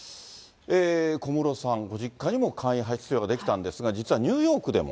小室さん、ご実家にも簡易派出所が出来たんですが、実はニューヨークでも。